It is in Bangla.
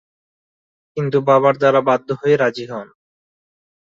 কিন্তু বাবার দ্বারা বাধ্য হয়ে রাজি হন।